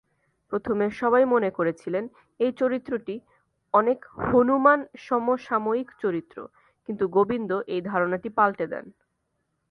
প্রথমে সবাই মনে করেছিলেন এই চরিত্রটি অনেক "হনুমান" সমসাময়িক চরিত্র, কিন্তু গোবিন্দ এই ধারনাটি পালটে দেন।